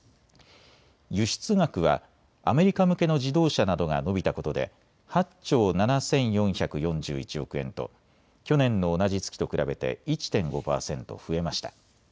輸出額はアメリカ向けの自動車などが伸びたことで８兆７４４１億円と去年の同じ月と比べて１．５％増えました。